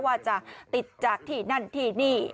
ว่าจะติดจากที่นั่นที่นี่